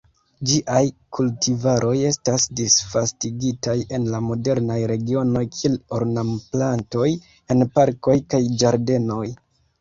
Ĝiaj kultivaroj estas disvastigitaj en la moderaj regionoj kiel ornamplantoj en parkoj kaj ĝardenoj.